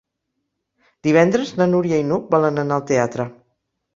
Divendres na Núria i n'Hug volen anar al teatre.